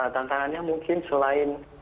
tantangannya mungkin selain